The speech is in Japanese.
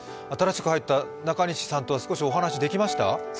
新しく入った中西さんとは少しお話できました？